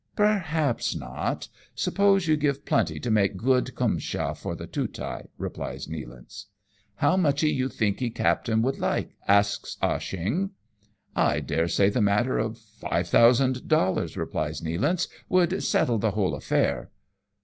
Perhaps not, suppose you give plenty to make good cumsha for the Tootai," replies Nealance. " How muchee you thinkee captain would like ?" asks Ah Cheong. "I daresay the matter of five thousand dollars," replies Nealance ;" would settle the whole affair."